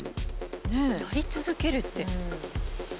やり続けるって。